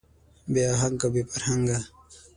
بې اهنګه او بې فرهنګه وي.